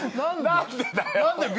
何でだよ。